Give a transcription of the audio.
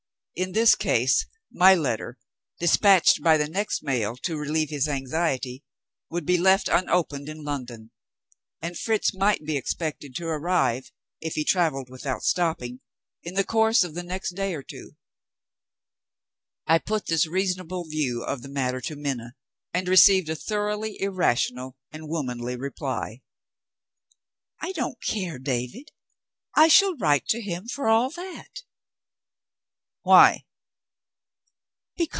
In this case, my letter, despatched by the next mail to relieve his anxiety, would be left unopened in London; and Fritz might be expected to arrive (if he traveled without stopping) in the course of the next day or two. I put this reasonable view of the matter to Minna, and received a thoroughly irrational and womanly reply. "I don't care, David; I shall write to him, for all that." "Why?"